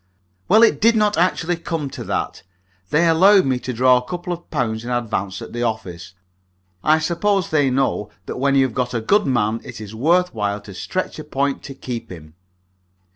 Well, it did not actually come to that. They allowed me to draw a couple of pounds in advance at the office. I suppose they know that when they have got a good man it is worth while to stretch a point to keep him.